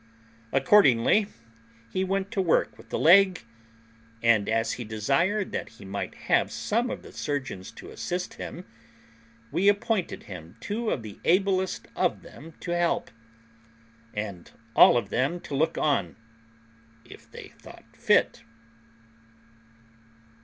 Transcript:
Accordingly he went to work with the leg; and, as he desired that he might have some of the surgeons to assist him, we appointed him two of the ablest of them to help, and all of them to look on, if they thought fit.